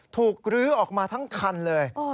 รื้อออกมาทั้งคันเลย